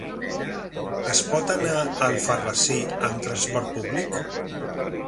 Es pot anar a Alfarrasí amb transport públic?